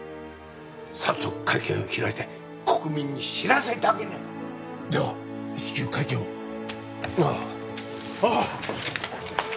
早速会見を開いて国民に知らせてあげねばでは至急会見をああああ！